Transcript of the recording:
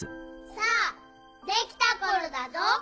さあできたころだぞ。